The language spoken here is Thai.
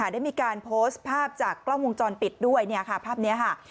ได้มีการโพสต์ภาพจากกล้องวงจรปิดด้วยภาพนี้ค่ะ